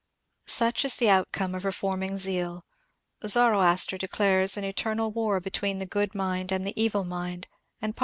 Such is the outcome of reforming zeal I Zoroaster declares an eternal war between the Good Mind and the Evil Mind, and Pars!